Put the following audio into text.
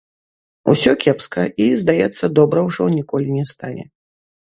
Усё кепска і, здаецца, добра ўжо ніколі не стане.